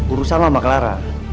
urusan sama mbak clara